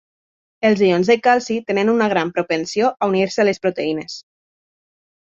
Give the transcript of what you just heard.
Els ions de calci tenen una gran propensió a unir-se a les proteïnes.